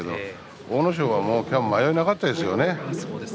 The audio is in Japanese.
阿武咲は今日は迷いがなかったですよね。